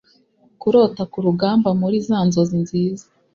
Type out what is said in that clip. kurota kurugamba muri zanzozi nziza